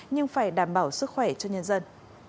nhưng phải đảm bảo sức khỏe cho nhân dân